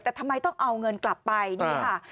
แต่ทำไมต้องเอาเงินกลับไปนี่ค่ะ